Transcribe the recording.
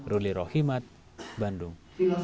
ruli rohimat bandung